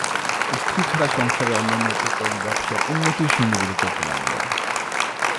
স্ত্রী ছাড়া সংসারের অন্যান্য উপকরণ ব্যবসার উন্নতির সঙ্গে বেড়ে চলতে লাগল।